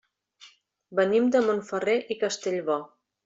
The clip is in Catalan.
Venim de Montferrer i Castellbò.